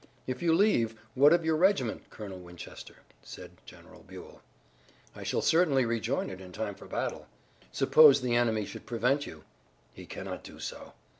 "If you leave, what of your regiment, Colonel Winchester?" said General Buell. "I shall certainly rejoin it in time for battle." "Suppose the enemy should prevent you?" "He cannot do so."